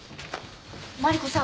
マリコさん